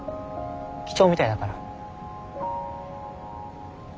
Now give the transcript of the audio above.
貴重みたいだから。